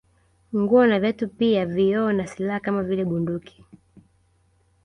Nguo na viatu pia vioo na silaha kama vile bunduki